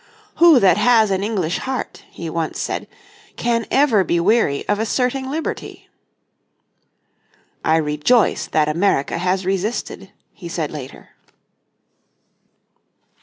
"Who that has an English heart," he once said, "can ever be weary of asserting liberty?" "I rejoice that America has resisted," he said later.